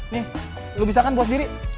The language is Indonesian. nih lo bisa kan buat sendiri